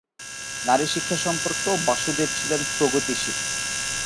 নারীশিক্ষা সম্পর্কেও বাসুদেব ছিলেন প্রগতিশীল।